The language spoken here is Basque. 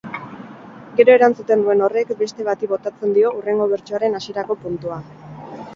Gero erantzuten duen horrek beste bati botatzen dio hurrengo bertsoaren hasierako puntua.